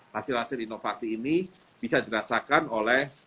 hasil hasil inovasi ini bisa dirasakan oleh